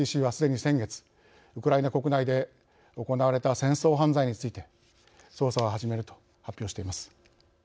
ＩＣＣは、すでに先月ウクライナ国内で行われた戦争犯罪について捜査を始めると発表しています。